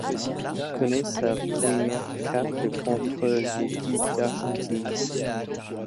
Il connaît sa première cape le contre l'équipe d'Argentine.